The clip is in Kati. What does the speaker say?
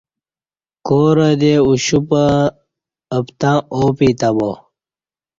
کورہ دے اُشوپہ اپتں آو پی تں با